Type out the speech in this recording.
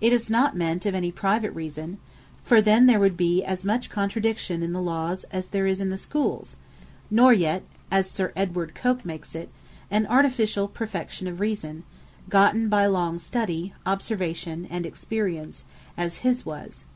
It is not meant of any private Reason; for then there would be as much contradiction in the Lawes, as there is in the Schooles; nor yet (as Sr. Ed, Coke makes it (Sir Edward Coke, upon Littleton Lib.2. Ch.6 fol 97.b),) an Artificiall Perfection of Reason, Gotten By Long Study, Observation, And Experience, (as his was.)